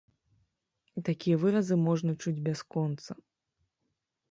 Такія выразы можна чуць бясконца.